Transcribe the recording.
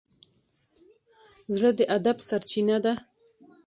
زړه د ادب سرچینه ده.